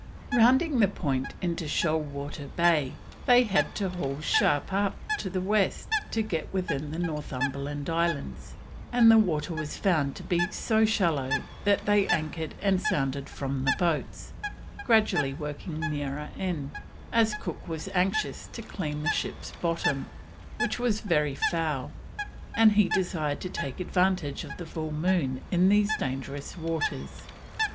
Rounding the point into Shoalwater Bay they had to haul sharp up to the west to get within the Northumberland Islands, and the water was found to be so shallow that they anchored and sounded from the boats, gradually working nearer in, as Cook was anxious to clean the ship's bottom, which was very foul; and he desired to take advantage of the full moon in these dangerous waters.